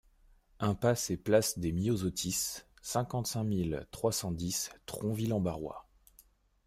Impasse et Place des Myosotis, cinquante-cinq mille trois cent dix Tronville-en-Barrois